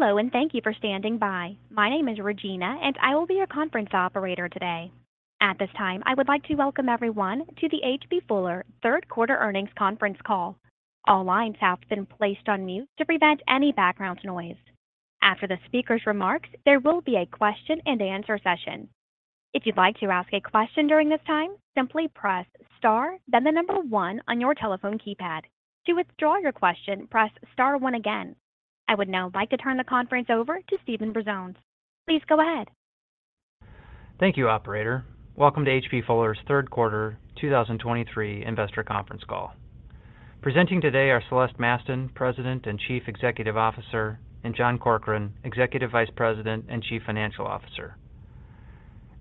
Hello, and thank you for standing by. My name is Regina, and I will be your conference operator today. At this time, I would like to welcome everyone to the H.B. Fuller Q3 earnings conference call. All lines have been placed on mute to prevent any background noise. After the speaker's remarks, there will be a question-and-answer session. If you'd like to ask a question during this time, simply press Star, then the number one on your telephone keypad. To withdraw your question, press Star one again. I would now like to turn the conference over to Steven Brazones. Please go ahead. Thank you, operator. Welcome to H.B. Fuller's Q3 2023 investor conference call. Presenting today are Celeste Mastin, President and Chief Executive Officer, and John Corkrean, Executive Vice President and Chief Financial Officer.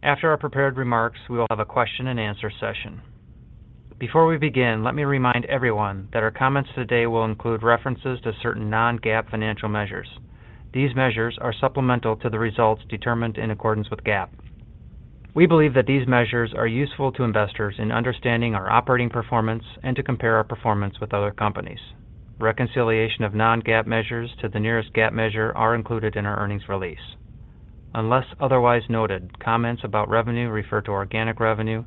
After our prepared remarks, we will have a question-and-answer session. Before we begin, let me remind everyone that our comments today will include references to certain non-GAAP financial measures. These measures are supplemental to the results determined in accordance with GAAP. We believe that these measures are useful to investors in understanding our operating performance and to compare our performance with other companies. Reconciliation of non-GAAP measures to the nearest GAAP measure are included in our earnings release. Unless otherwise noted, comments about revenue refer to organic revenue,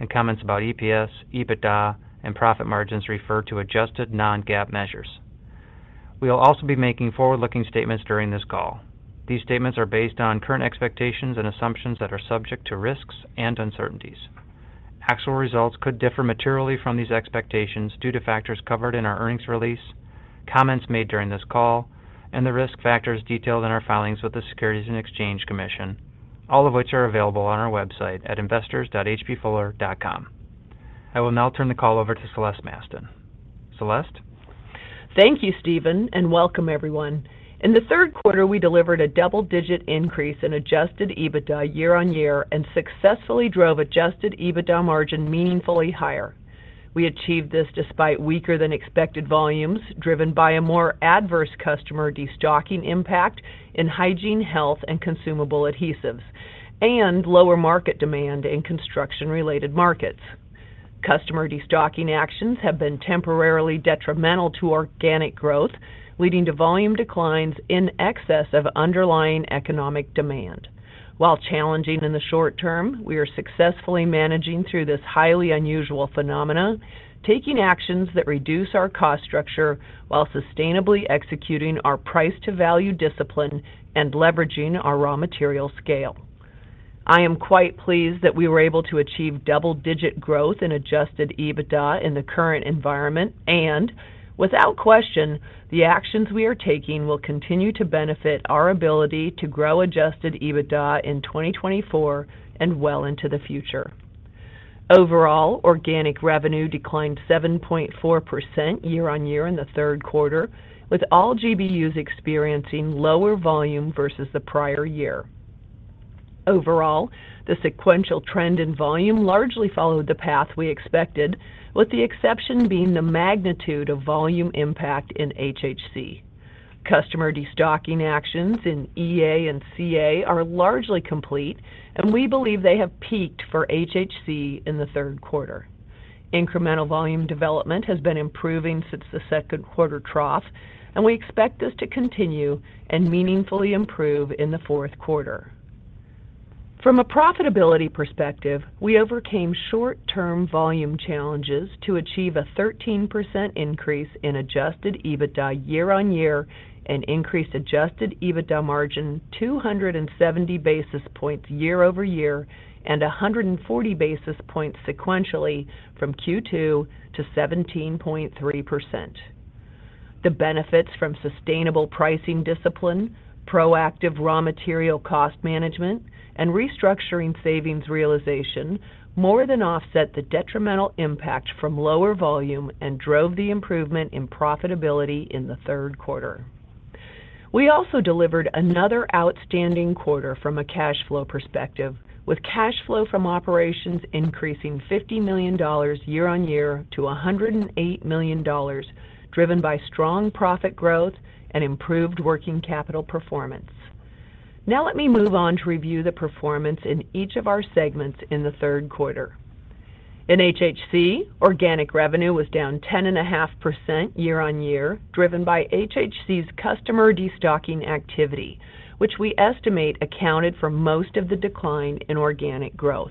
and comments about EPS, EBITDA, and profit margins refer to adjusted non-GAAP measures. We will also be making forward-looking statements during this call. These statements are based on current expectations and assumptions that are subject to risks and uncertainties. Actual results could differ materially from these expectations due to factors covered in our earnings release, comments made during this call, and the risk factors detailed in our filings with the Securities and Exchange Commission, all of which are available on our website at investors.hbfuller.com. I will now turn the call over to Celeste Mastin. Celeste? Thank you, Steven, and welcome everyone. In the Q3, we delivered a double-digit increase in Adjusted EBITDA year-over-year and successfully drove Adjusted EBITDA margin meaningfully higher. We achieved this despite weaker-than-expected volumes, driven by a more adverse customer destocking impact in hygiene, health, and consumable adhesives, and lower market demand in construction-related markets. Customer destocking actions have been temporarily detrimental to organic growth, leading to volume declines in excess of underlying economic demand. While challenging in the short term, we are successfully managing through this highly unusual phenomena, taking actions that reduce our cost structure while sustainably executing our price to value discipline and leveraging our raw material scale. I am quite pleased that we were able to achieve double-digit growth in Adjusted EBITDA in the current environment, and without question, the actions we are taking will continue to benefit our ability to grow Adjusted EBITDA in 2024 and well into the future. Overall, organic revenue declined 7.4% year-on-year in the Q3, with all GBUs experiencing lower volume versus the prior year. Overall, the sequential trend in volume largely followed the path we expected, with the exception being the magnitude of volume impact in HHC. Customer destocking actions in EA and CA are largely complete, and we believe they have peaked for HHC in the Q3. Incremental volume development has been improving since the Q2 trough, and we expect this to continue and meaningfully improve in the Q4. From a profitability perspective, we overcame short-term volume challenges to achieve a 13% increase in Adjusted EBITDA year-over-year, an increased Adjusted EBITDA margin 270 basis points year-over-year, and 140 basis points sequentially from Q2 to 17.3%. The benefits from sustainable pricing discipline, proactive raw material cost management, and restructuring savings realization more than offset the detrimental impact from lower volume and drove the improvement in profitability in the Q3. We also delivered another outstanding quarter from a cash flow perspective, with cash flow from operations increasing $50 million year-over-year to $108 million, driven by strong profit growth and improved working capital performance. Now let me move on to review the performance in each of our segments in the Q3. In HHC, organic revenue was down 10.5% year-on-year, driven by HHC's customer destocking activity, which we estimate accounted for most of the decline in organic growth.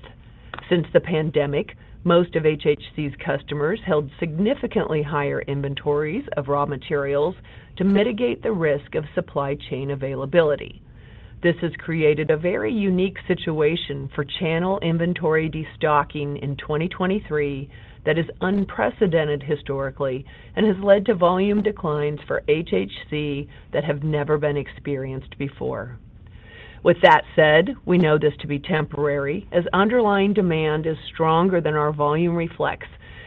Since the pandemic, most of HHC's customers held significantly higher inventories of raw materials to mitigate the risk of supply chain availability. This has created a very unique situation for channel inventory destocking in 2023 that is unprecedented historically and has led to volume declines for HHC that have never been experienced before. With that said, we know this to be temporary, as underlying demand is stronger than our volume reflects,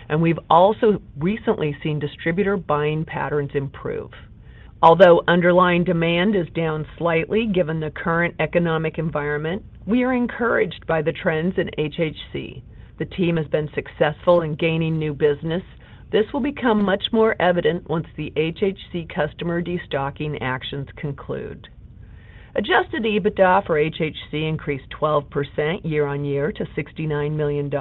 and we've also recently seen distributor buying patterns improve. Although underlying demand is down slightly, given the current economic environment, we are encouraged by the trends in HHC. The team has been successful in gaining new business. This will become much more evident once the HHC customer destocking actions conclude. Adjusted EBITDA for HHC increased 12% year-on-year to $69 million,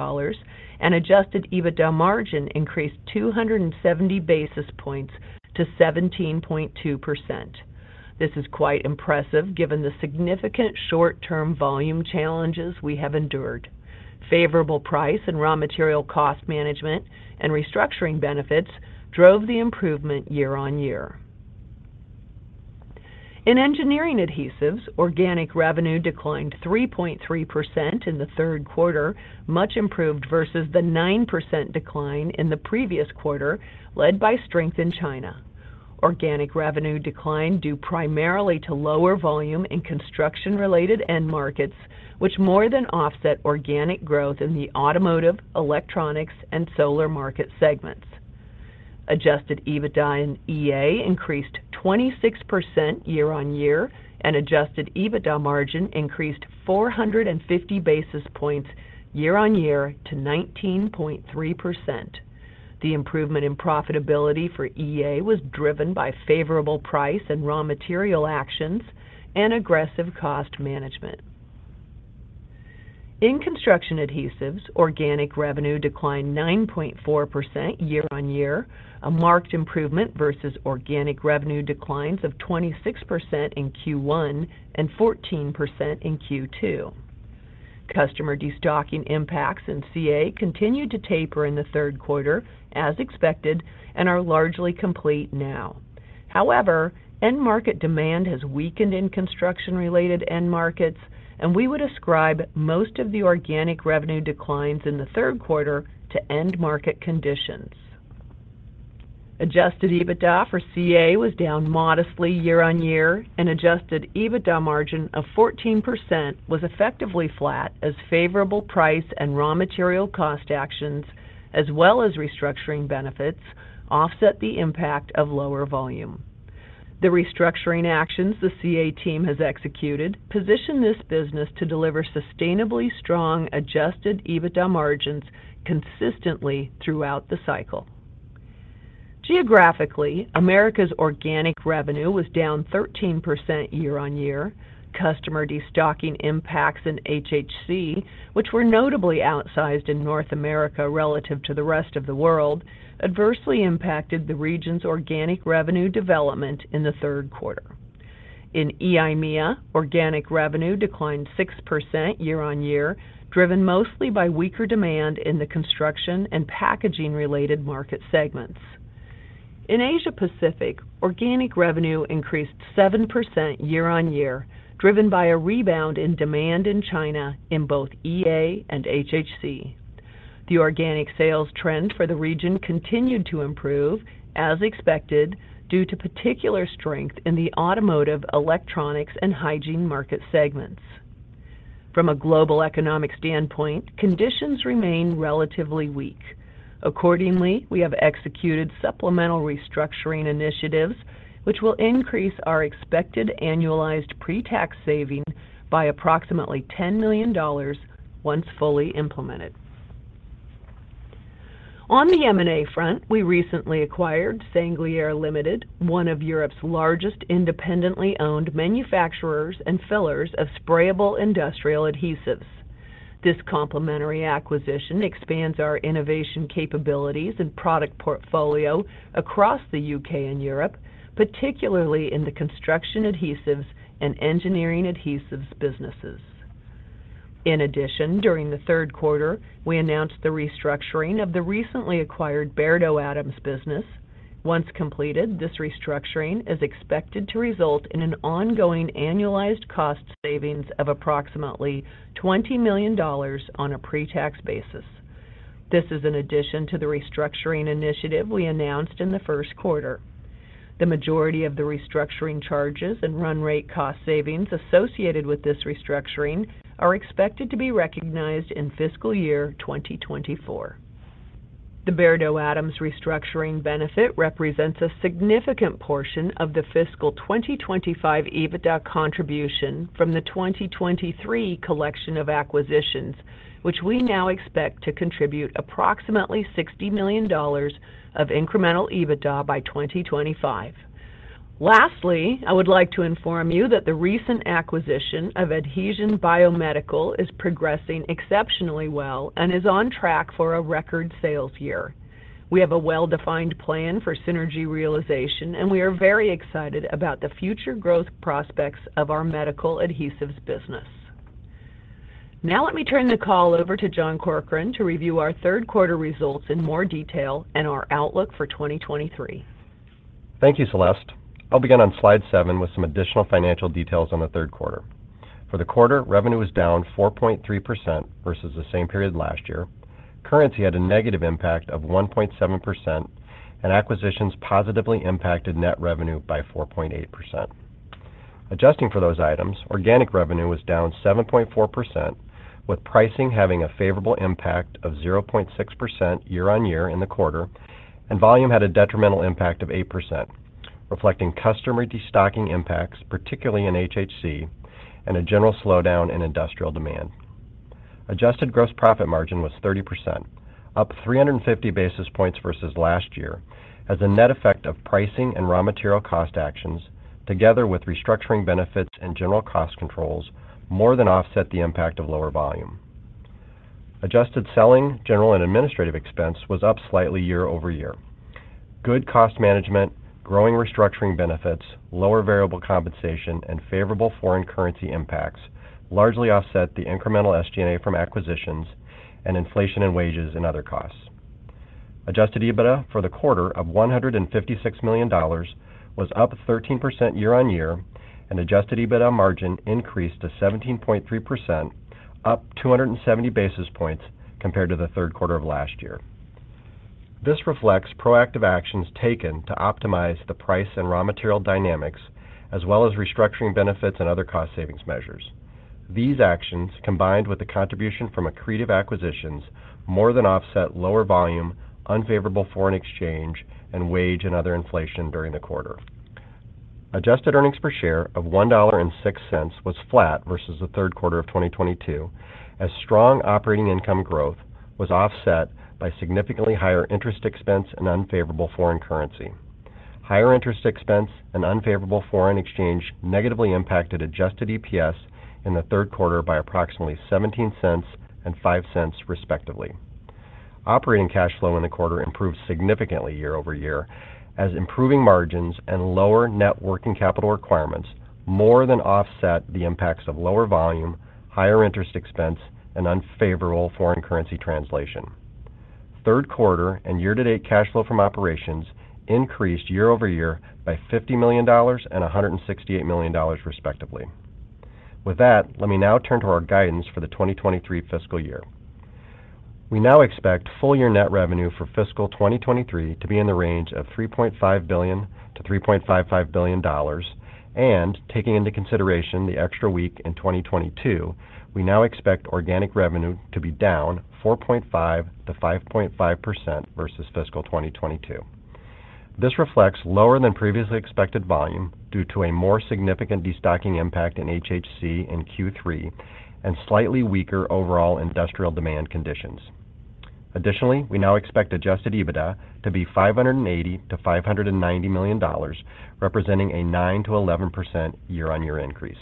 and adjusted EBITDA margin increased 270 basis points to 17.2%. This is quite impressive, given the significant short-term volume challenges we have endured. Favorable price and raw material cost management and restructuring benefits drove the improvement year-on-year. In engineering adhesives, organic revenue declined 3.3% in the Q3, much improved versus the 9% decline in the previous quarter, led by strength in China. Organic revenue declined due primarily to lower volume in construction-related end markets, which more than offset organic growth in the automotive, electronics, and solar market segments. Adjusted EBITDA in EA increased 26% year-on-year, and adjusted EBITDA margin increased 450 basis points year-on-year to 19.3%. The improvement in profitability for EA was driven by favorable price and raw material actions and aggressive cost management. In construction adhesives, organic revenue declined 9.4% year-on-year, a marked improvement versus organic revenue declines of 26% in Q1 and 14% in Q2. Customer destocking impacts in CA continued to taper in the Q3, as expected, and are largely complete now. However, end market demand has weakened in construction-related end markets, and we would ascribe most of the organic revenue declines in the Q3 to end market conditions. Adjusted EBITDA for CA was down modestly year-on-year, and adjusted EBITDA margin of 14% was effectively flat as favorable price and raw material cost actions, as well as restructuring benefits, offset the impact of lower volume. The restructuring actions the CA team has executed position this business to deliver sustainably strong adjusted EBITDA margins consistently throughout the cycle. Geographically, Americas' organic revenue was down 13% year-on-year. Customer destocking impacts in HHC, which were notably outsized in North America relative to the rest of the world, adversely impacted the region's organic revenue development in the Q3. In EIMEA, organic revenue declined 6% year-on-year, driven mostly by weaker demand in the construction and packaging-related market segments. In Asia Pacific, organic revenue increased 7% year-on-year, driven by a rebound in demand in China in both EA and HHC. The organic sales trend for the region continued to improve, as expected, due to particular strength in the automotive, electronics, and hygiene market segments. From a global economic standpoint, conditions remain relatively weak. Accordingly, we have executed supplemental restructuring initiatives, which will increase our expected annualized pre-tax saving by approximately $10 million once fully implemented. On the M&A front, we recently acquired Sanglier Limited, one of Europe's largest independently owned manufacturers and fillers of sprayable industrial adhesives. This complementary acquisition expands our innovation capabilities and product portfolio across the UK and Europe, particularly in the construction adhesives and engineering adhesives businesses. In addition, during the Q3, we announced the restructuring of the recently acquired Beardow Adams business. Once completed, this restructuring is expected to result in an ongoing annualized cost savings of approximately $20 million on a pre-tax basis. This is in addition to the restructuring initiative we announced in the Q1. The majority of the restructuring charges and run rate cost savings associated with this restructuring are expected to be recognized in fiscal year 2024. The Beardow Adams restructuring benefit represents a significant portion of the fiscal 2025 EBITDA contribution from the 2023 collection of acquisitions, which we now expect to contribute approximately $60 million of incremental EBITDA by 2025. Lastly, I would like to inform you that the recent acquisition of Adhezion Biomedical is progressing exceptionally well and is on track for a record sales year. We have a well-defined plan for synergy realization, and we are very excited about the future growth prospects of our medical adhesives business. Now let me turn the call over to John Corkrean to review our Q3 results in more detail and our outlook for 2023. Thank you, Celeste. I'll begin on slide 7 with some additional financial details on the Q3. For the quarter, revenue was down 4.3% versus the same period last year. Currency had a negative impact of 1.7%, and acquisitions positively impacted net revenue by 4.8%. Adjusting for those items, organic revenue was down 7.4%, with pricing having a favorable impact of 0.6% year-on-year in the quarter, and volume had a detrimental impact of 8%, reflecting customer destocking impacts, particularly in HHC, and a general slowdown in industrial demand. Adjusted gross profit margin was 30%, up 350 basis points versus last year, as a net effect of pricing and raw material cost actions, together with restructuring benefits and general cost controls, more than offset the impact of lower volume. Adjusted selling, general, and administrative expense was up slightly year-over-year. Good cost management, growing restructuring benefits, lower variable compensation, and favorable foreign currency impacts largely offset the incremental SG&A from acquisitions and inflation in wages and other costs. Adjusted EBITDA for the quarter of $156 million was up 13% year-on-year, and adjusted EBITDA margin increased to 17.3%, up 270 basis points compared to the Q3 of last year. This reflects proactive actions taken to optimize the price and raw material dynamics, as well as restructuring benefits and other cost savings measures. These actions, combined with the contribution from accretive acquisitions, more than offset lower volume, unfavorable foreign exchange, and wage and other inflation during the quarter. Adjusted earnings per share of $1.06 was flat versus the Q3 of 2022, as strong operating income growth was offset by significantly higher interest expense and unfavorable foreign currency. Higher interest expense and unfavorable foreign exchange negatively impacted adjusted EPS in the Q3 by approximately $0.17 and $0.05, respectively. Operating cash flow in the quarter improved significantly year-over-year, as improving margins and lower net working capital requirements more than offset the impacts of lower volume, higher interest expense, and unfavorable foreign currency translation. Q3 and year-to-date cash flow from operations increased year-over-year by $50 million and $168 million, respectively. With that, let me now turn to our guidance for the 2023 fiscal year. We now expect full year net revenue for fiscal 2023 to be in the range of $3.5 billion-$3.55 billion, and taking into consideration the extra week in 2022, we now expect organic revenue to be down 4.5%-5.5% versus fiscal 2022. This reflects lower than previously expected volume, due to a more significant destocking impact in HHC in Q3 and slightly weaker overall industrial demand conditions. Additionally, we now expect Adjusted EBITDA to be $580 million-$590 million, representing a 9%-11% year-on-year increase.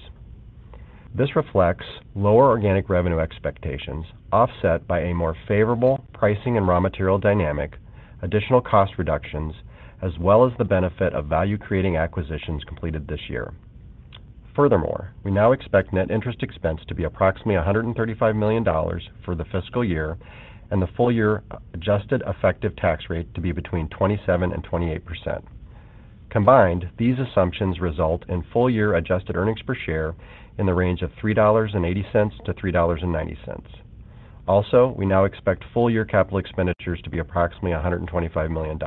This reflects lower organic revenue expectations, offset by a more favorable pricing and raw material dynamic, additional cost reductions, as well as the benefit of value-creating acquisitions completed this year. Furthermore, we now expect net interest expense to be approximately $135 million for the fiscal year and the full year adjusted effective tax rate to be between 27%-28%. Combined, these assumptions result in full year adjusted earnings per share in the range of $3.80-$3.90. Also, we now expect full year capital expenditures to be approximately $125 million.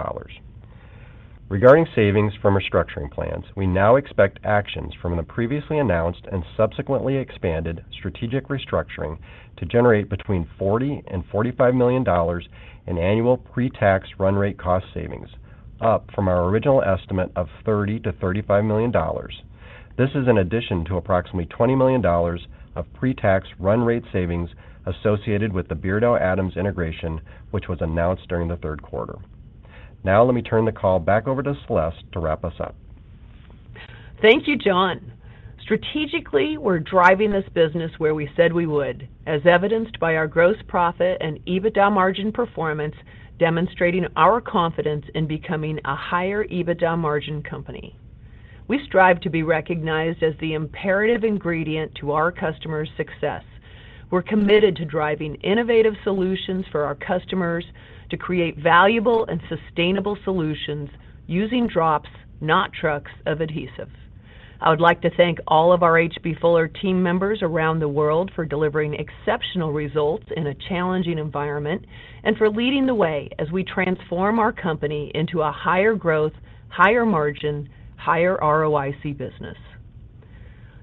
Regarding savings from restructuring plans, we now expect actions from the previously announced and subsequently expanded strategic restructuring to generate between $40 million-$45 million in annual pre-tax run rate cost savings, up from our original estimate of $30 million-$35 million. This is in addition to approximately $20 million of pre-tax run rate savings associated with the Beardow Adams integration, which was announced during the Q3. Now, let me turn the call back over to Celeste to wrap us up. Thank you, John. Strategically, we're driving this business where we said we would, as evidenced by our gross profit and EBITDA margin performance, demonstrating our confidence in becoming a higher EBITDA margin company. We strive to be recognized as the imperative ingredient to our customers' success. We're committed to driving innovative solutions for our customers to create valuable and sustainable solutions using drops, not trucks, of adhesive. I would like to thank all of our H.B. Fuller team members around the world for delivering exceptional results in a challenging environment and for leading the way as we transform our company into a higher growth, higher margin, higher ROIC business.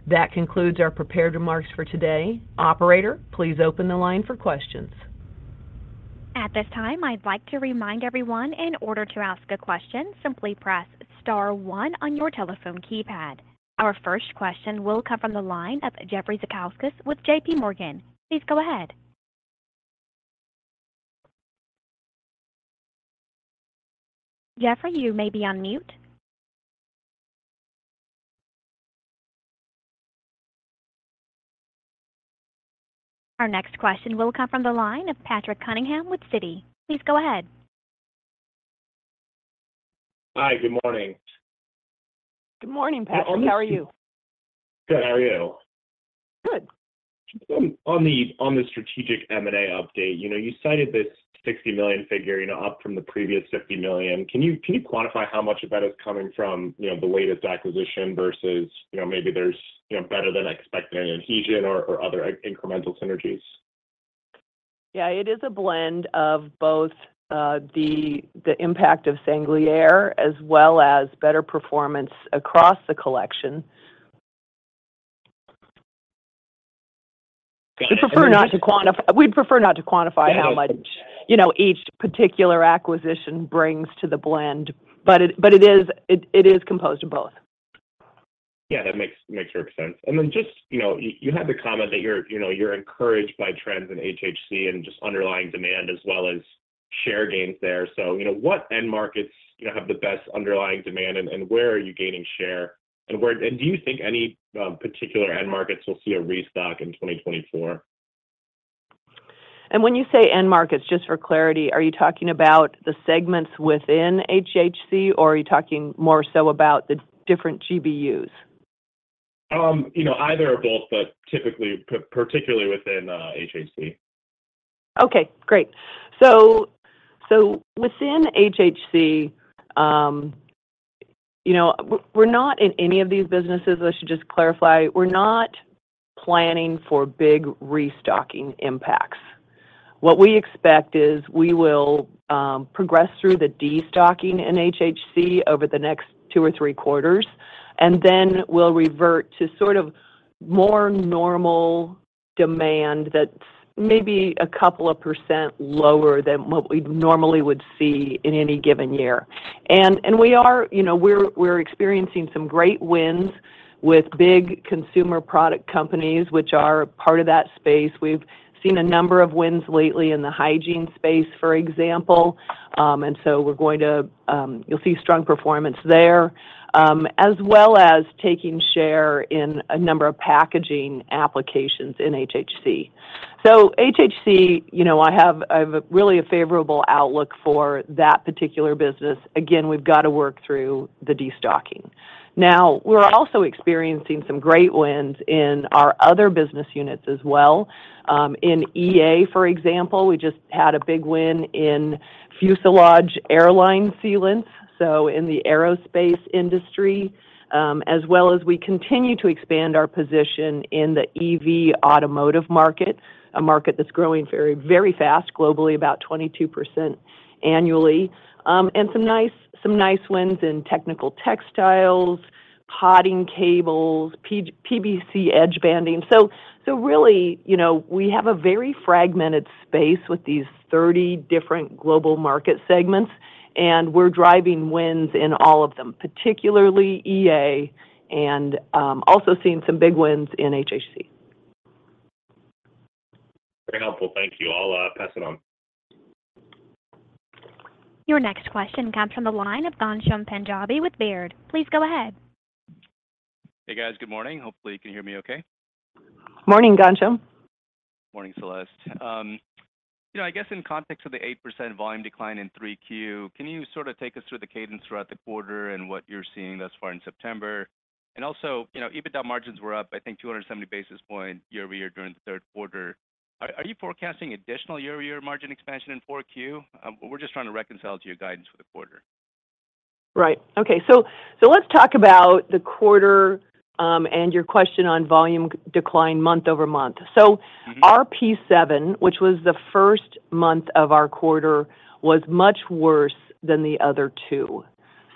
That concludes our prepared remarks for today. Operator, please open the line for questions. At this time, I'd like to remind everyone, in order to ask a question, simply press star one on your telephone keypad. Our first question will come from the line of Jeffrey Zekauskas with JP Morgan. Please go ahead. Jeffrey, you may be on mute. Our next question will come from the line of Patrick Cunningham with Citi. Please go ahead. Hi, good morning. Good morning, Patrick. How are you? Good. How are you? Good. On the strategic M&A update, you know, you cited this $60 million figure, you know, up from the previous $50 million. Can you quantify how much of that is coming from, you know, the latest acquisition versus, you know, maybe there's, you know, better than expected accretion or other incremental synergies? Yeah, it is a blend of both, the impact of Sanglier, as well as better performance across the collection. We prefer not to quantify. We prefer not to quantify how much, you know, each particular acquisition brings to the blend, but it is composed of both.... Yeah, that makes perfect sense. And then just, you know, you had the comment that you're, you know, you're encouraged by trends in HHC and just underlying demand as well as share gains there. So, you know, what end markets, you know, have the best underlying demand, and where are you gaining share? And where do you think any particular end markets will see a restock in 2024? When you say end markets, just for clarity, are you talking about the segments within HHC, or are you talking more so about the different GBUs? You know, either or both, but typically, particularly within HHC. Okay, great. So within HHC, you know, we're not in any of these businesses, I should just clarify, we're not planning for big restocking impacts. What we expect is we will progress through the destocking in HHC over the next two or three quarters, and then we'll revert to sort of more normal demand that's maybe a couple of % lower than what we normally would see in any given year. And we are... You know, we're experiencing some great wins with big consumer product companies, which are a part of that space. We've seen a number of wins lately in the hygiene space, for example. And so we're going to, you'll see strong performance there, as well as taking share in a number of packaging applications in HHC. So HHC, you know, I have a really a favorable outlook for that particular business. Again, we've got to work through the destocking. Now, we're also experiencing some great wins in our other business units as well. In EA, for example, we just had a big win in fuselage airline sealant, so in the aerospace industry, as well as we continue to expand our position in the EV automotive market, a market that's growing very, very fast, globally, about 22% annually. And some nice, some nice wins in technical textiles, potting cables, PVC edge banding. So, so really, you know, we have a very fragmented space with these 30 different global market segments, and we're driving wins in all of them, particularly EA, and also seeing some big wins in HHC. Very helpful. Thank you. I'll pass it on. Your next question comes from the line of Ghansham Panjabi with Baird. Please go ahead. Hey, guys. Good morning. Hopefully, you can hear me okay. Morning, Gansham. Morning, Celeste. You know, I guess in context of the 8% volume decline in 3Q, can you sort of take us through the cadence throughout the quarter and what you're seeing thus far in September? And also, you know, EBITDA margins were up, I think, 270 basis points year-over-year during the Q3. Are you forecasting additional year-over-year margin expansion in 4Q? We're just trying to reconcile to your guidance for the quarter. Right. Okay, so let's talk about the quarter, and your question on volume decline month-over-month. Mm-hmm. Our P7, which was the first month of our quarter, was much worse than the other two.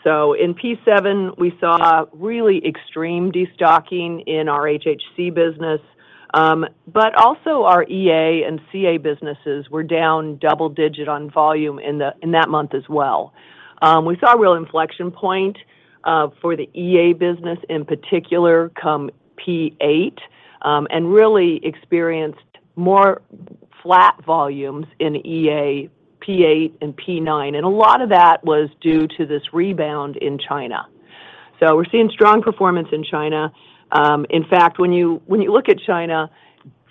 So in P7, we saw really extreme destocking in our HHC business, but also our EA and CA businesses were down double-digit on volume in that month as well. We saw a real inflection point for the EA business, in particular, come P8, and really experienced more flat volumes in EA, P8, and P9, and a lot of that was due to this rebound in China. So we're seeing strong performance in China. In fact, when you look at China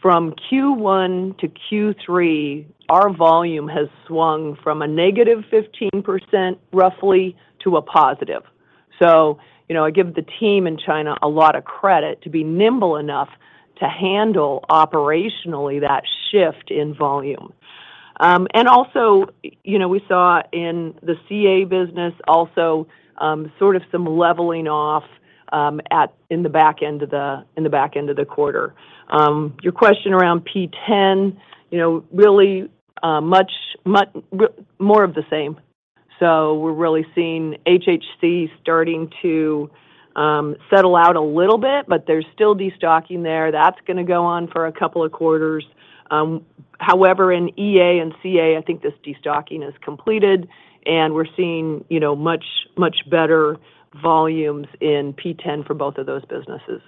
from Q1 to Q3, our volume has swung from a -15%, roughly, to a positive. So, you know, I give the team in China a lot of credit to be nimble enough to handle operationally that shift in volume. And also, you know, we saw in the CA business also, sort of some leveling off in the back end of the quarter. Your question around P10, you know, really much more of the same. So we're really seeing HHC starting to settle out a little bit, but there's still destocking there. That's gonna go on for a couple of quarters. However, in EA and CA, I think this destocking is completed, and we're seeing, you know, much, much better volumes in P10 for both of those businesses.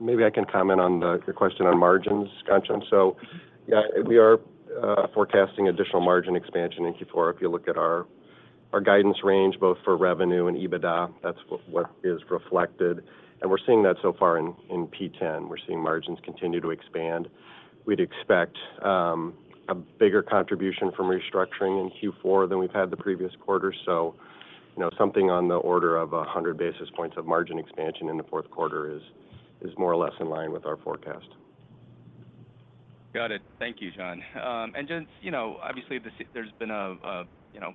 Maybe I can comment on the, your question on margins, Ghansham. So yeah, we are forecasting additional margin expansion in Q4. If you look at our, our guidance range, both for revenue and EBITDA, that's what, what is reflected, and we're seeing that so far in, in P10. We're seeing margins continue to expand. We'd expect a bigger contribution from restructuring in Q4 than we've had the previous quarter. So, you know, something on the order of 100 basis points of margin expansion in the Q4 is, is more or less in line with our forecast. Got it. Thank you, John. And just, you know, obviously, the... There's been a, a, you know,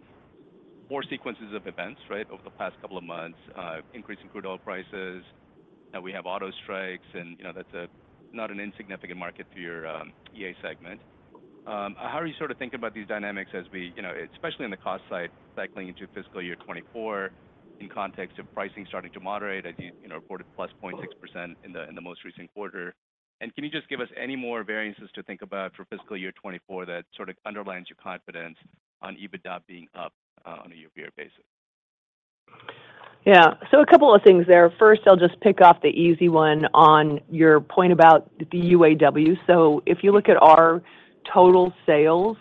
more sequences of events, right, over the past couple of months, increase in crude oil prices, now we have auto strikes, and, you know, that's not an insignificant market to your EA segment. How are you sort of thinking about these dynamics as we-- you know, especially on the cost side, cycling into fiscal year 2024, in context of pricing starting to moderate, I think, you know, reported +0.6% in the most recent quarter?... And can you just give us any more variances to think about for fiscal year 2024 that sort of underlines your confidence on EBITDA being up, on a year-over-year basis? Yeah. So a couple of things there. First, I'll just pick off the easy one on your point about the UAW. So if you look at our total sales,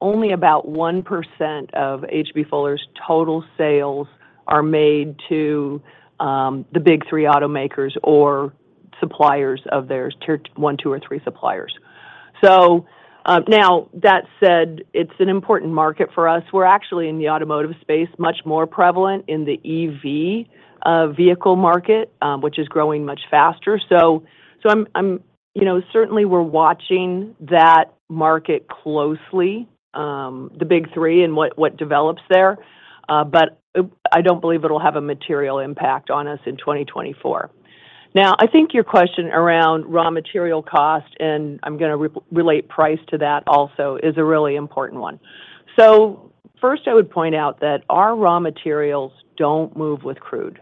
only about 1% of H.B. Fuller's total sales are made to the big three automakers or suppliers of theirs, tier one, two, or three suppliers. So now, that said, it's an important market for us. We're actually in the automotive space, much more prevalent in the EV vehicle market, which is growing much faster. So I'm, you know, certainly we're watching that market closely, the big three and what develops there, but I don't believe it'll have a material impact on us in 2024. Now, I think your question around raw material cost, and I'm gonna relate price to that also, is a really important one. So first, I would point out that our raw materials don't move with crude.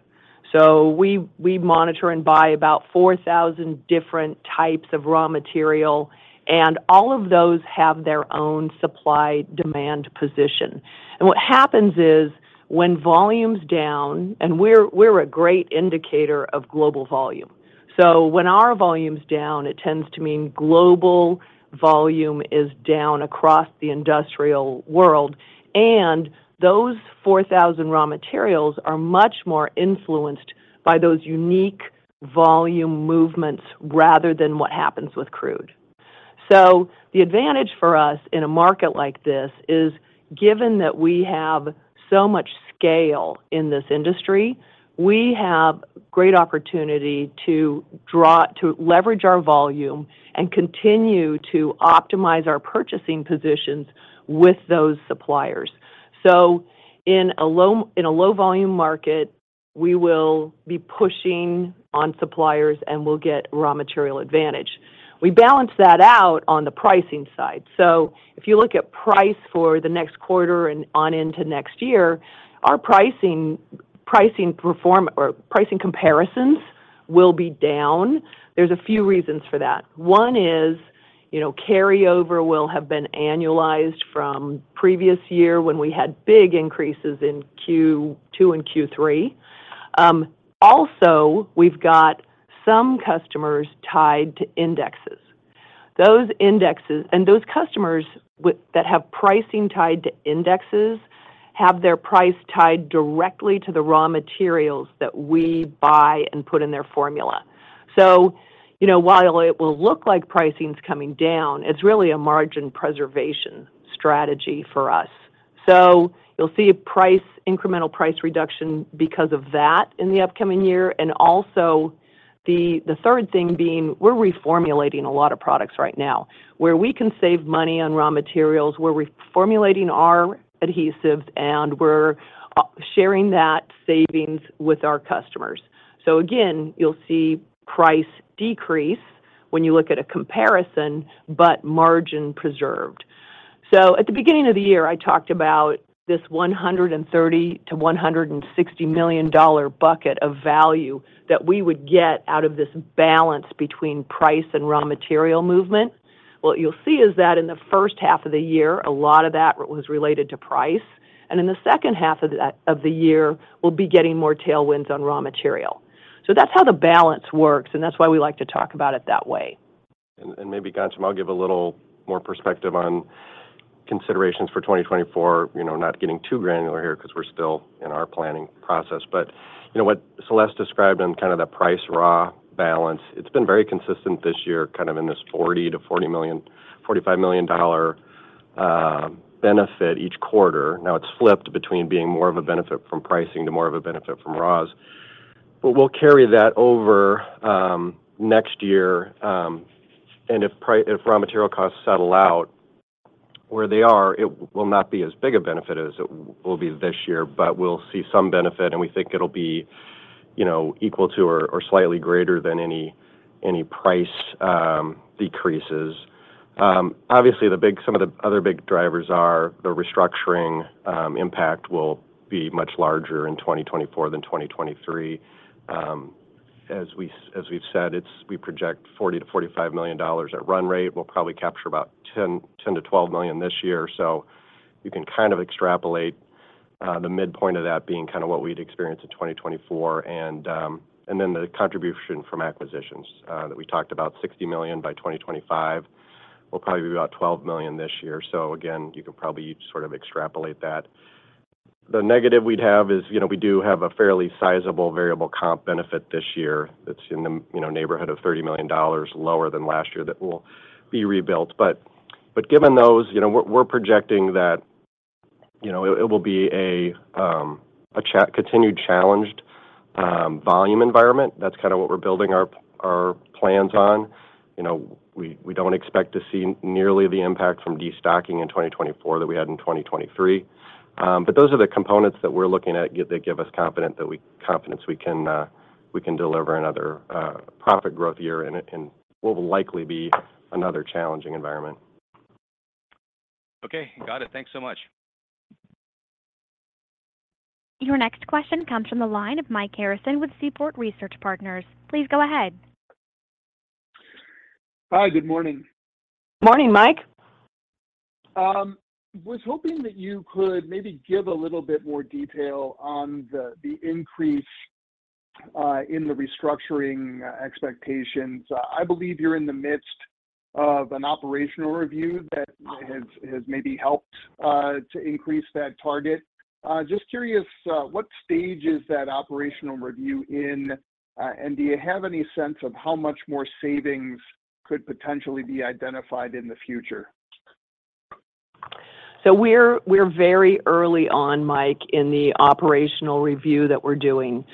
So we, we monitor and buy about 4,000 different types of raw material, and all of those have their own supply-demand position. And what happens is, when volume's down... And we're, we're a great indicator of global volume. So when our volume's down, it tends to mean global volume is down across the industrial world, and those 4,000 raw materials are much more influenced by those unique volume movements rather than what happens with crude. So the advantage for us in a market like this is, given that we have so much scale in this industry, we have great opportunity to leverage our volume and continue to optimize our purchasing positions with those suppliers. So in a low-volume market, we will be pushing on suppliers, and we'll get raw material advantage. We balance that out on the pricing side. So if you look at price for the next quarter and on into next year, our pricing or pricing comparisons will be down. There's a few reasons for that. One is, you know, carryover will have been annualized from previous year when we had big increases in Q2 and Q3. Also, we've got some customers tied to indexes. Those indexes and those customers with, that have pricing tied to indexes, have their price tied directly to the raw materials that we buy and put in their formula. So, you know, while it will look like pricing is coming down, it's really a margin preservation strategy for us. So you'll see a price, incremental price reduction because of that in the upcoming year, and also the third thing being, we're reformulating a lot of products right now. Where we can save money on raw materials, we're reformulating our adhesives, and we're sharing that savings with our customers. So again, you'll see price decrease when you look at a comparison, but margin preserved. So at the beginning of the year, I talked about this $100 million-$160 million bucket of value that we would get out of this balance between price and raw material movement. What you'll see is that in the first half of the year, a lot of that was related to price, and in the second half of the year, we'll be getting more tailwinds on raw material. So that's how the balance works, and that's why we like to talk about it that way. Maybe, Ghansham, I'll give a little more perspective on considerations for 2024. You know, not getting too granular here because we're still in our planning process. But, you know, what Celeste described in kind of the price raw balance, it's been very consistent this year, kind of in this $40 million-$45 million benefit each quarter. Now, it's flipped between being more of a benefit from pricing to more of a benefit from raws. But we'll carry that over next year, and if raw material costs settle out where they are, it will not be as big a benefit as it will be this year, but we'll see some benefit, and we think it'll be, you know, equal to or slightly greater than any price decreases. Obviously, some of the other big drivers are the restructuring impact will be much larger in 2024 than 2023. As we've said, we project $40-$45 million at run rate. We'll probably capture about $10-$12 million this year. So you can kind of extrapolate the midpoint of that being kind of what we'd experience in 2024. And then the contribution from acquisitions that we talked about, $60 million by 2025, will probably be about $12 million this year. So again, you can probably sort of extrapolate that. The negative we'd have is, you know, we do have a fairly sizable variable comp benefit this year that's in the, you know, neighborhood of $30 million, lower than last year, that will be rebuilt. But given those, you know, we're projecting that, you know, it will be a continued challenged volume environment. That's kind of what we're building our plans on. You know, we don't expect to see nearly the impact from destocking in 2024 that we had in 2023. But those are the components that we're looking at that give us confidence we can deliver another profit growth year and what will likely be another challenging environment. Okay. Got it. Thanks so much.... Your next question comes from the line of Mike Harrison with Seaport Research Partners. Please go ahead. Hi, good morning. Morning, Mike. Was hoping that you could maybe give a little bit more detail on the increase in the restructuring expectations. I believe you're in the midst of an operational review that has maybe helped to increase that target. Just curious, what stage is that operational review in? And do you have any sense of how much more savings could potentially be identified in the future? So we're very early on, Mike, in the operational review that we're doing.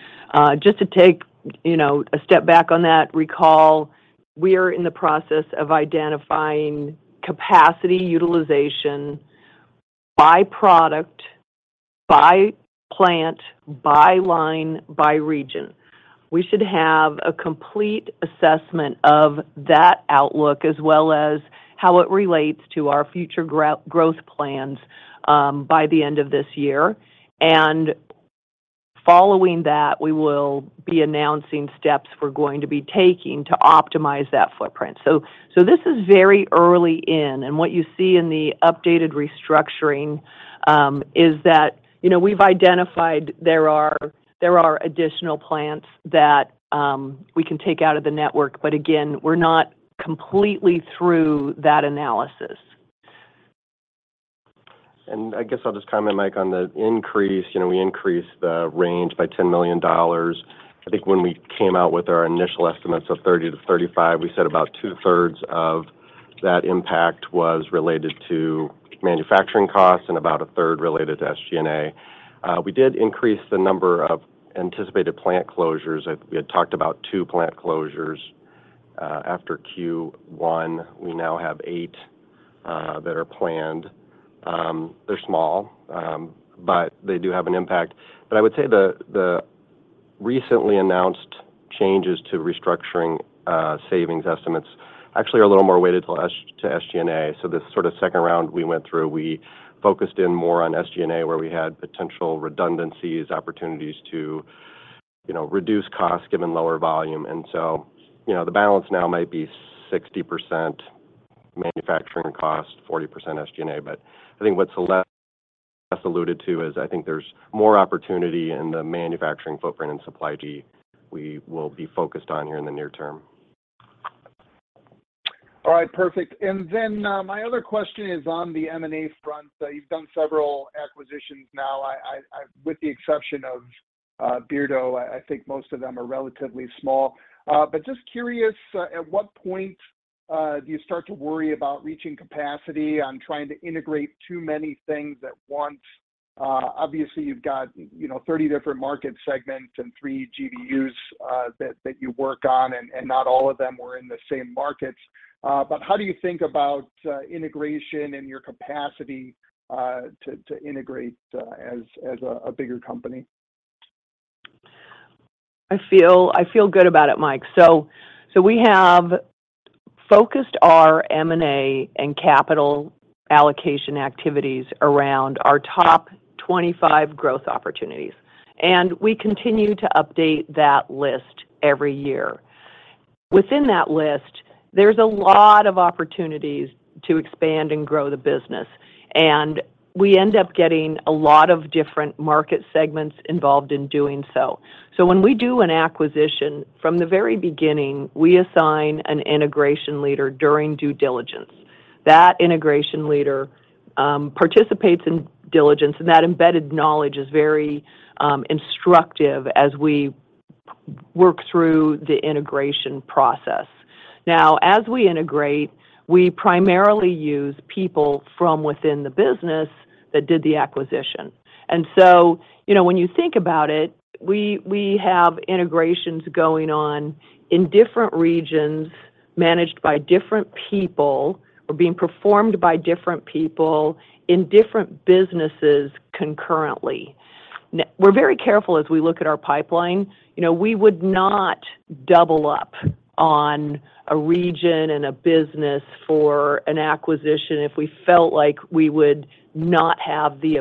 Just to take, you know, a step back on that recall, we're in the process of identifying capacity utilization by product, by plant, by line, by region. We should have a complete assessment of that outlook, as well as how it relates to our future growth plans, by the end of this year. And following that, we will be announcing steps we're going to be taking to optimize that footprint. So this is very early in, and what you see in the updated restructuring is that, you know, we've identified there are, there are additional plants that we can take out of the network, but again, we're not completely through that analysis. I guess I'll just comment, Mike, on the increase. You know, we increased the range by $10 million. I think when we came out with our initial estimates of $30 million-$35 million, we said about two-thirds of that impact was related to manufacturing costs and about a third related to SG&A. We did increase the number of anticipated plant closures. We had talked about 2 plant closures, after Q1. We now have 8, that are planned. They're small, but they do have an impact. But I would say the recently announced changes to restructuring, savings estimates actually are a little more weighted to SG&A. So this sort of second round we went through, we focused in more on SG&A, where we had potential redundancies, opportunities to, you know, reduce costs, given lower volume. So, you know, the balance now might be 60% manufacturing cost, 40% SG&A. But I think what Celeste alluded to is, I think there's more opportunity in the manufacturing footprint and supply chain we will be focused on here in the near term. All right, perfect. And then my other question is on the M&A front. You've done several acquisitions now. I, with the exception of Beardow, I think most of them are relatively small. But just curious, at what point do you start to worry about reaching capacity on trying to integrate too many things at once? Obviously, you've got, you know, 30 different market segments and 3 GBUs that you work on, and not all of them were in the same markets. But how do you think about integration and your capacity to integrate as a bigger company? I feel good about it, Mike. So we have focused our M&A and capital allocation activities around our top 25 growth opportunities, and we continue to update that list every year. Within that list, there's a lot of opportunities to expand and grow the business, and we end up getting a lot of different market segments involved in doing so. So when we do an acquisition, from the very beginning, we assign an integration leader during due diligence. That integration leader participates in diligence, and that embedded knowledge is very instructive as we work through the integration process. Now, as we integrate, we primarily use people from within the business that did the acquisition. And so, you know, when you think about it, we, we have integrations going on in different regions, managed by different people or being performed by different people in different businesses concurrently. We're very careful as we look at our pipeline. You know, we would not double up on a region and a business for an acquisition if we felt like we would not have the,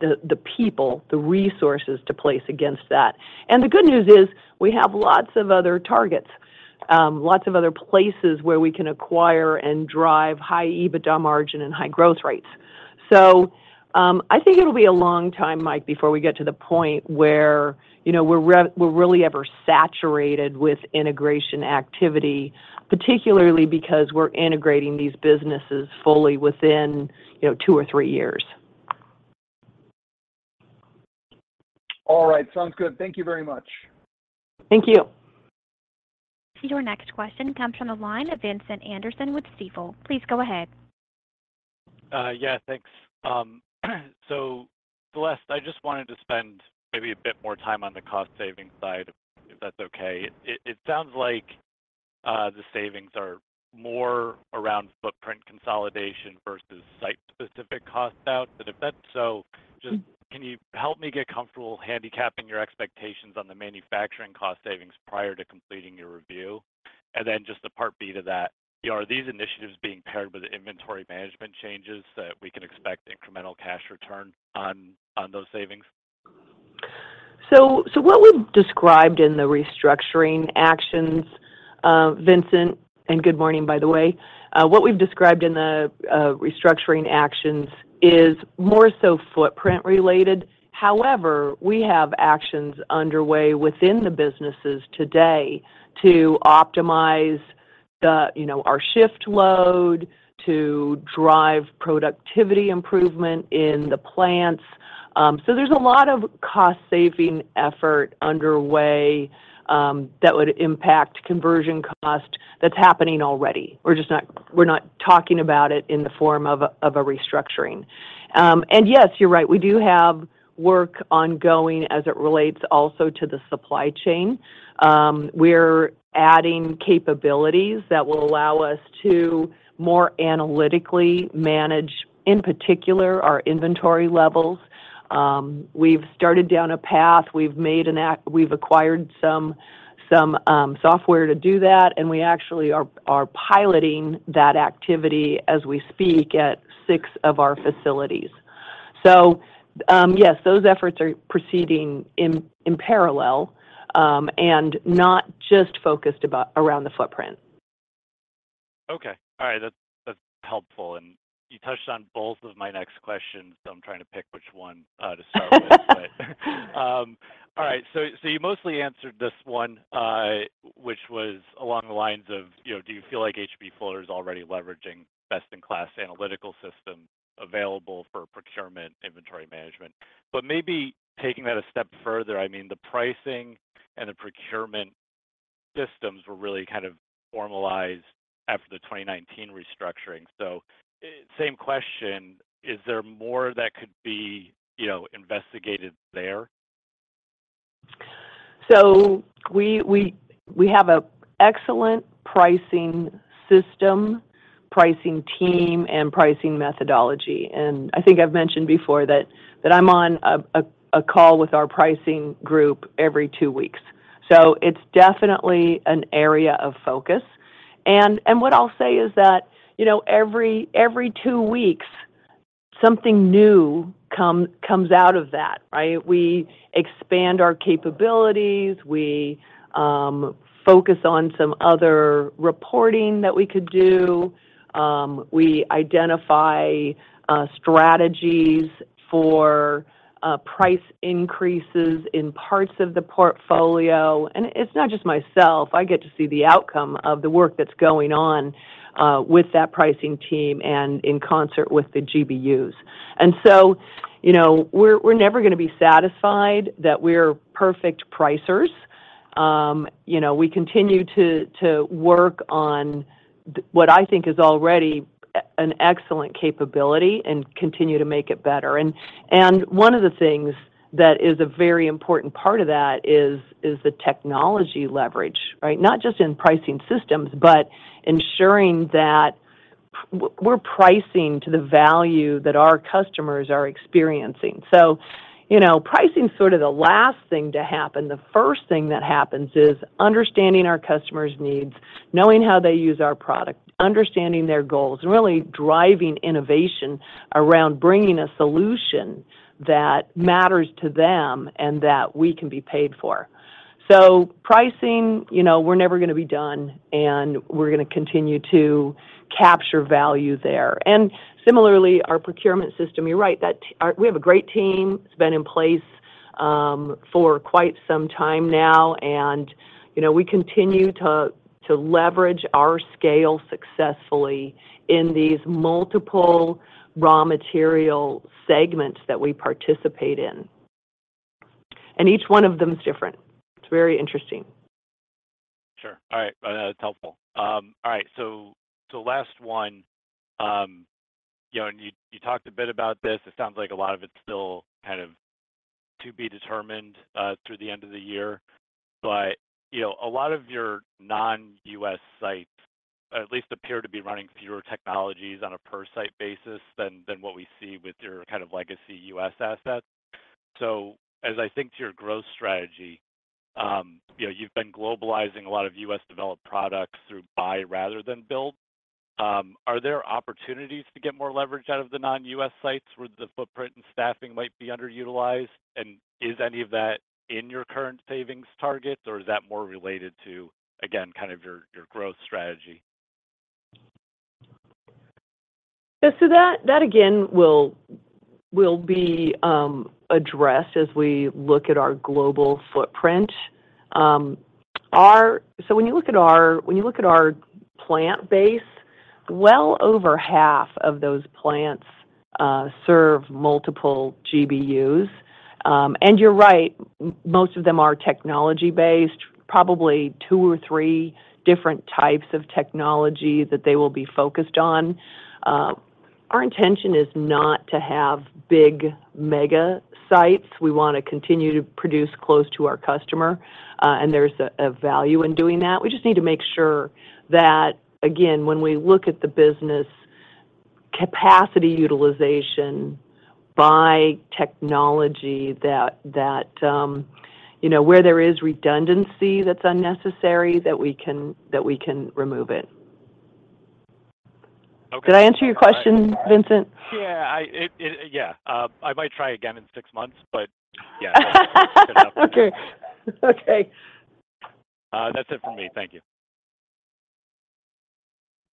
the, the people, the resources to place against that. And the good news is, we have lots of other targets, lots of other places where we can acquire and drive high EBITDA margin and high growth rates. So, I think it'll be a long time, Mike, before we get to the point where, you know, we're really ever saturated with integration activity, particularly because we're integrating these businesses fully within, you know, two or three years. All right. Sounds good. Thank you very much. Thank you. Your next question comes from the line of Vincent Anderson with Stifel. Please go ahead. Yeah, thanks. So, Celeste, I just wanted to spend maybe a bit more time on the cost savings side, if that's okay. It sounds like the savings are more around footprint consolidation versus site-specific cost out. But if that's so, just- Mm. Can you help me get comfortable handicapping your expectations on the manufacturing cost savings prior to completing your review? And then just the part B to that, you know, are these initiatives being paired with the inventory management changes that we can expect incremental cash return on, on those savings? So, what we've described in the restructuring actions, Vincent, and good morning, by the way, what we've described in the restructuring actions is more so footprint related. However, we have actions underway within the businesses today to optimize, you know, our shift load, to drive productivity improvement in the plants. So there's a lot of cost saving effort underway that would impact conversion cost that's happening already. We're just not talking about it in the form of a restructuring. And yes, you're right, we do have work ongoing as it relates also to the supply chain. We're adding capabilities that will allow us to more analytically manage, in particular, our inventory levels. We've started down a path. We've acquired some software to do that, and we actually are piloting that activity as we speak at six of our facilities. So, yes, those efforts are proceeding in parallel, and not just focused around the footprint. Okay. All right. That's, that's helpful, and you touched on both of my next questions, so I'm trying to pick which one, to start with. But, all right. So, so you mostly answered this one, which was along the lines of, you know, do you feel like H.B. Fuller is already leveraging best-in-class analytical systems available for procurement inventory management? But maybe taking that a step further, I mean, the pricing and the procurement systems were really kind of formalized after the 2019 restructuring. So, same question: is there more that could be, you know, investigated there? So we have an excellent pricing system, pricing team, and pricing methodology. And I think I've mentioned before that I'm on a call with our pricing group every two weeks, so it's definitely an area of focus. And what I'll say is that, you know, every two weeks, something new comes out of that, right? We expand our capabilities, we focus on some other reporting that we could do, we identify strategies for price increases in parts of the portfolio. And it's not just myself. I get to see the outcome of the work that's going on with that pricing team and in concert with the GBUs. And so, you know, we're never going to be satisfied that we're perfect pricers. You know, we continue to work on the what I think is already an excellent capability and continue to make it better. And one of the things that is a very important part of that is the technology leverage, right? Not just in pricing systems, but ensuring that we're pricing to the value that our customers are experiencing. So, you know, pricing is sort of the last thing to happen. The first thing that happens is understanding our customers' needs, knowing how they use our product, understanding their goals, and really driving innovation around bringing a solution that matters to them and that we can be paid for. So pricing, you know, we're never going to be done, and we're going to continue to capture value there. And similarly, our procurement system, you're right, that we have a great team. It's been in place for quite some time now, and, you know, we continue to leverage our scale successfully in these multiple raw material segments that we participate in. Each one of them is different. It's very interesting. Sure. All right, that's helpful. All right, so last one, you know, and you talked a bit about this. It sounds like a lot of it's still kind of to be determined through the end of the year. But, you know, a lot of your non-U.S. sites at least appear to be running fewer technologies on a per site basis than what we see with your kind of legacy U.S. assets. So as I think to your growth strategy, you know, you've been globalizing a lot of U.S.-developed products through buy rather than build. Are there opportunities to get more leverage out of the non-U.S. sites where the footprint and staffing might be underutilized? And is any of that in your current savings targets, or is that more related to, again, kind of your growth strategy? So that again will be addressed as we look at our global footprint. So when you look at our plant base, well over half of those plants serve multiple GBUs. And you're right, most of them are technology based, probably two or three different types of technology that they will be focused on. Our intention is not to have big mega sites. We want to continue to produce close to our customer, and there's a value in doing that. We just need to make sure that, again, when we look at the capacity utilization by technology, you know, where there is redundancy that's unnecessary, that we can remove it. Okay. Did I answer your question, Vincent? Yeah. Yeah. I might try again in six months, but yeah. Okay. Okay. That's it for me. Thank you.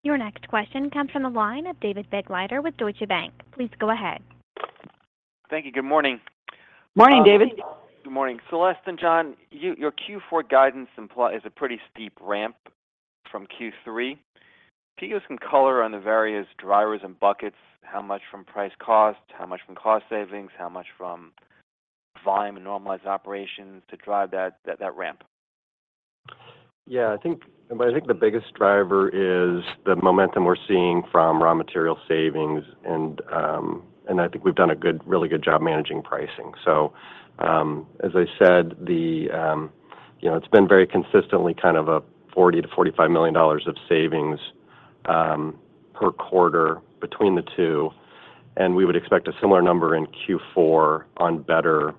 Your next question comes from the line of David Begleiter with Deutsche Bank. Please go ahead. Thank you. Good morning. Morning, David. Good morning. Celeste and John, your Q4 guidance imply is a pretty steep ramp from Q3. Can you give some color on the various drivers and buckets, how much from price cost, how much from cost savings, how much from volume and normalized operations to drive that ramp? Yeah, I think, but I think the biggest driver is the momentum we're seeing from raw material savings, and, and I think we've done a good, really good job managing pricing. So, as I said, you know, it's been very consistently kind of a $40 million-$45 million of savings, per quarter between the two, and we would expect a similar number in Q4 on better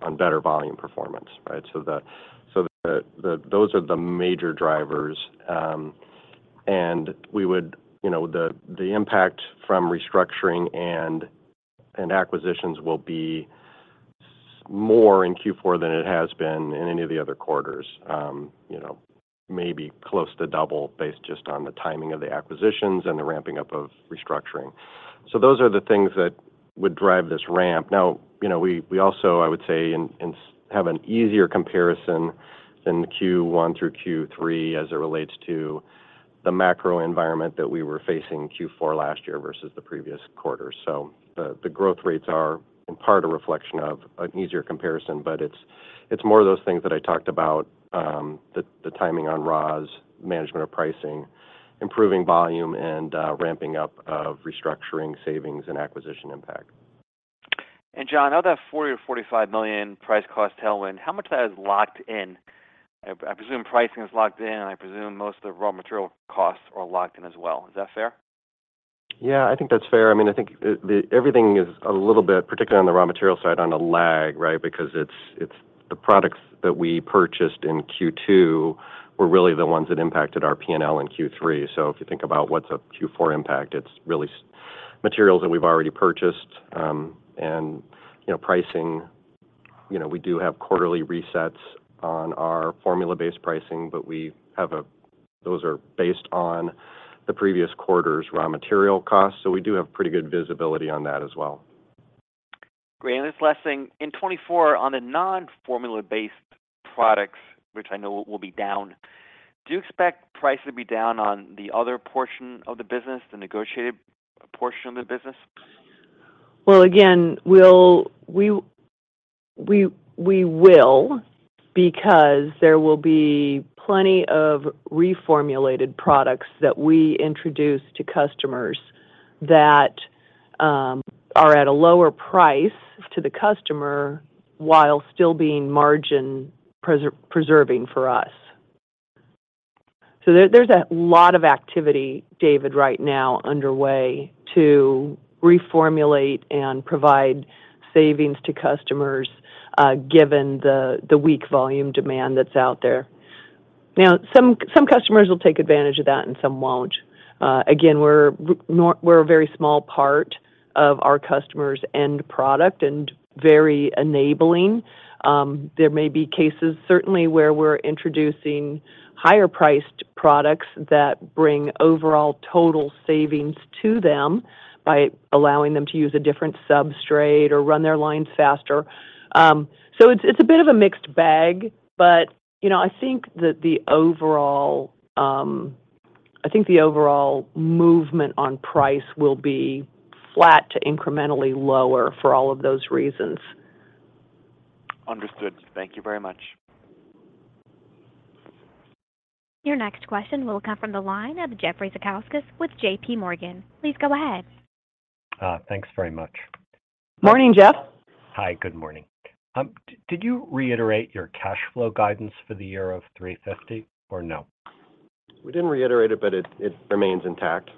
volume performance, right? So those are the major drivers, and we would... You know, the impact from restructuring and acquisitions will be more in Q4 than it has been in any of the other quarters. You know, maybe close to double, based just on the timing of the acquisitions and the ramping up of restructuring. So those are the things that would drive this ramp. Now, you know, we, we also, I would say, in, in have an easier comparison than the Q1 through Q3, as it relates to the macro environment that we were facing Q4 last year versus the previous quarter. So the, the growth rates are, in part, a reflection of an easier comparison, but it's, it's more of those things that I talked about, the, the timing on raws, management of pricing, improving volume, and ramping up of restructuring, savings, and acquisition impact. John, of that $40 million-$45 million price cost tailwind, how much of that is locked in? I presume pricing is locked in, and I presume most of the raw material costs are locked in as well. Is that fair? Yeah, I think that's fair. I mean, I think everything is a little bit, particularly on the raw material side, on a lag, right? Because it's the products that we purchased in Q2 were really the ones that impacted our PNL in Q3. So if you think about what's a Q4 impact, it's really materials that we've already purchased. You know, pricing, you know, we do have quarterly resets on our formula-based pricing, but we have a... Those are based on the previous quarter's raw material costs, so we do have pretty good visibility on that as well. Great. This last thing, in 2024, on the non-formula-based products, which I know will be down, do you expect prices to be down on the other portion of the business, the negotiated portion of the business? Well, again, we will, because there will be plenty of reformulated products that we introduce to customers that are at a lower price to the customer while still being margin preserving for us. So there's a lot of activity, David, right now underway to reformulate and provide savings to customers, given the weak volume demand that's out there. Now, some customers will take advantage of that and some won't. Again, we're a very small part of our customers' end product and very enabling. There may be cases, certainly, where we're introducing higher priced products that bring overall total savings to them by allowing them to use a different substrate or run their lines faster. So it's a bit of a mixed bag, but, you know, I think that the overall movement on price will be flat to incrementally lower for all of those reasons. Understood. Thank you very much. Your next question will come from the line of Jeffrey Zekauskas with JPMorgan. Please go ahead. Thanks very much. Morning, Jeff. Hi, good morning. Did you reiterate your cash flow guidance for the year of $350 or no? We didn't reiterate it, but it remains intact.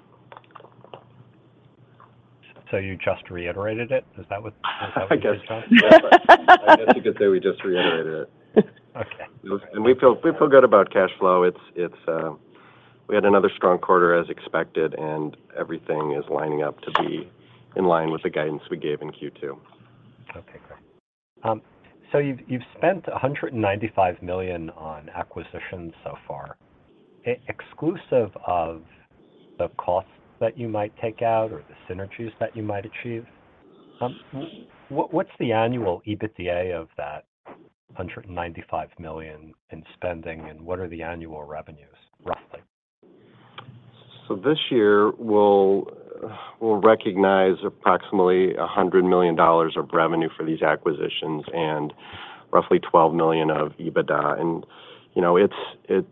So you just reiterated it? Is that what- I guess. Yeah. I guess you could say we just reiterated it. Okay. We feel good about cash flow. It's we had another strong quarter, as expected, and everything is lining up to be in line with the guidance we gave in Q2. Okay, great. So you've, you've spent $195 million on acquisitions so far. Exclusive of the costs that you might take out or the synergies that you might achieve, what, what's the annual EBITDA of that $195 million in spending, and what are the annual revenues, roughly? So this year, we'll, we'll recognize approximately $100 million of revenue for these acquisitions and roughly $12 million of EBITDA. And, you know, it's, it,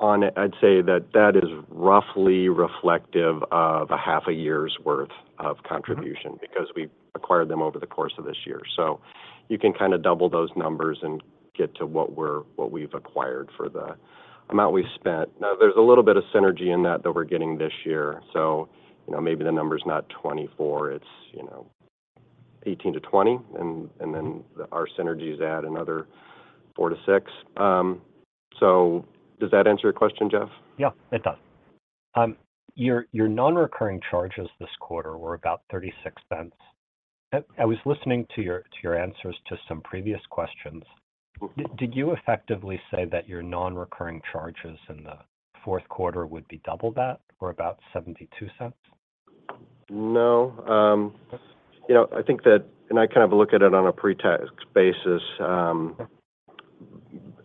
on a... I'd say that that is roughly reflective of a half a year's worth of contribution- Mm-hmm. because we acquired them over the course of this year. So you can kind of double those numbers and get to what we're, what we've acquired for the amount we've spent. Now, there's a little bit of synergy in that that we're getting this year, so, you know, maybe the number's not 24, it's, you know, 18-20, and, and then our synergies add another 4-6. So does that answer your question, Jeff? Yeah, it does. Your, your non-recurring charges this quarter were about $0.36. I, I was listening to your, to your answers to some previous questions. Mm-hmm. Did you effectively say that your non-recurring charges in the Q4 would be double that, or about $0.72? No. You know, I think that and I kind of look at it on a pre-tax basis,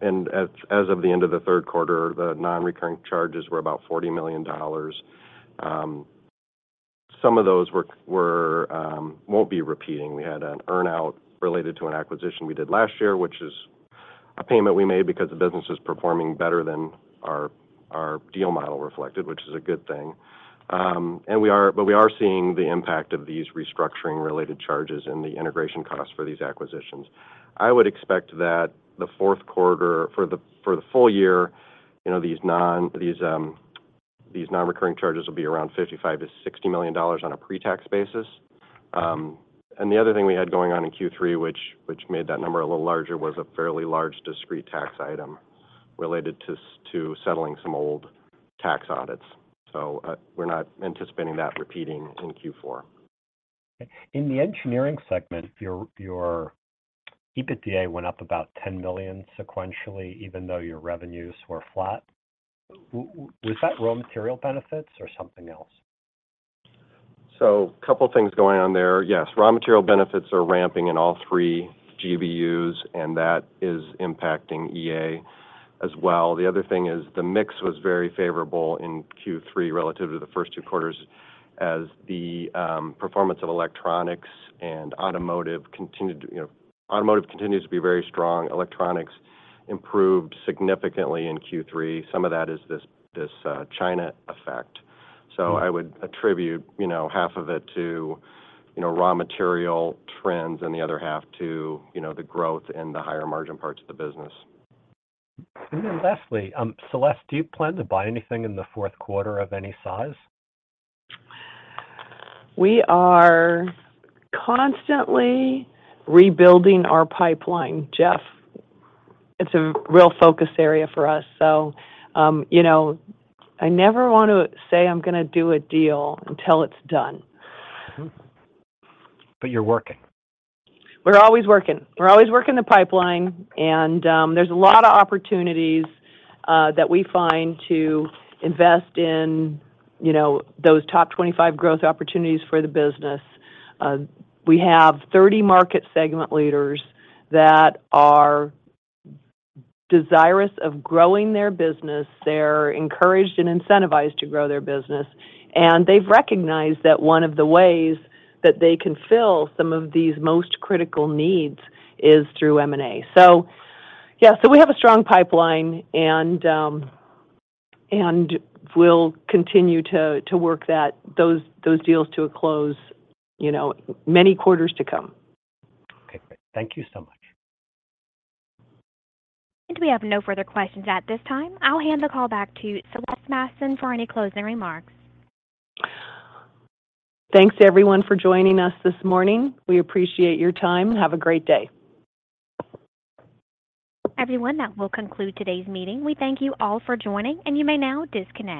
and as of the end of the Q3, the non-recurring charges were about $40 million. Some of those won't be repeating. We had an earn-out related to an acquisition we did last year, which is a payment we made because the business is performing better than our deal model reflected, which is a good thing. But we are seeing the impact of these restructuring related charges and the integration costs for these acquisitions. I would expect that the Q4 for the full year, you know, these non-recurring charges will be around $55 million-$60 million on a pre-tax basis. The other thing we had going on in Q3, which made that number a little larger, was a fairly large discrete tax item related to settling some old tax audits, so we're not anticipating that repeating in Q4. In the Engineering segment, your EBITDA went up about $10 million sequentially, even though your revenues were flat. Was that raw material benefits or something else? So, couple things going on there. Yes, raw material benefits are ramping in all three GBUs, and that is impacting EA as well. The other thing is, the mix was very favorable in Q3 relative to the first two quarters, as the performance of Electronics and Automotive continued to, you know... Automotive continues to be very strong. Electronics improved significantly in Q3. Some of that is this, this, China effect. Mm. I would attribute, you know, half of it to, you know, raw material trends and the other half to, you know, the growth in the higher margin parts of the business. And then lastly, Celeste, do you plan to buy anything in the Q4 of any size? We are constantly rebuilding our pipeline, Jeff. It's a real focus area for us, so, you know, I never want to say I'm gonna do a deal until it's done. Mm. But you're working? We're always working. We're always working the pipeline, and there's a lot of opportunities that we find to invest in, you know, those top 25 growth opportunities for the business. We have 30 market segment leaders that are desirous of growing their business. They're encouraged and incentivized to grow their business, and they've recognized that one of the ways that they can fill some of these most critical needs is through M&A. So yeah, so we have a strong pipeline, and we'll continue to work that, those deals to a close, you know, many quarters to come. Okay, great. Thank you so much. We have no further questions at this time. I'll hand the call back to Celeste Mastin for any closing remarks. Thanks, everyone, for joining us this morning. We appreciate your time. Have a great day. Everyone, that will conclude today's meeting. We thank you all for joining, and you may now disconnect.